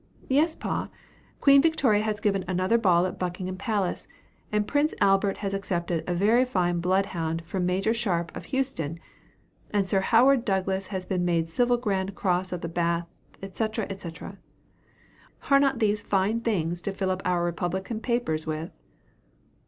"Yes, pa; Queen Victoria has given another ball at Buckingham Palace; and Prince Albert has accepted a very fine blood hound, from Major Sharp, of Houston; and Sir Howard Douglas has been made a Civil Grand Cross of the Bath, &c., &c. Are not these fine things to fill up our republican papers with?"